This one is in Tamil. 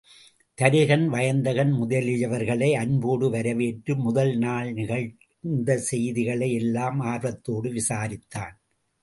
தருகன், வயந்தகன் முதலியவர்களை அன்போடு வரவேற்று முதல் நாள் நிகழ்ந்த செய்திகளை எல்லாம் ஆர்வத்தோடு விசாரித்தான்.